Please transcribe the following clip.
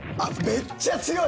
めっちゃ強い。